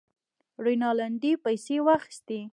رینالډي پیسې واخیستې.